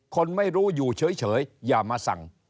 คนไม่รู้อยู่เฉยอย่ามาสั่ง